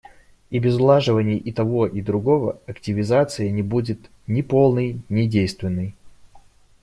И без улаживания и того и другого активизация не будет ни полной, ни действенной.